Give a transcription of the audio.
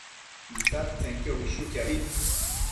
isadtsenquio bëshuquiabi